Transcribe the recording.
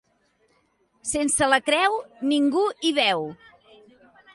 Sense la creu, ningú hi veu.